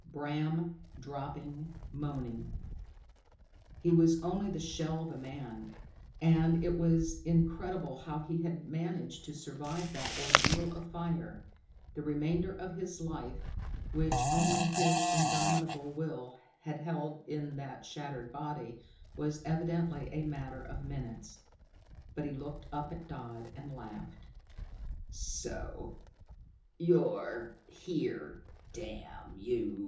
Bram dropping, moaning; he was only the shell of a man, and it was incredible how he had managed to survive that ordeal of fire. The remainder of his life, which only his indomitable will had held in that shattered body, was evidently a matter of minutes, but he looked up at Dodd and laughed. "So you're here, damn you!"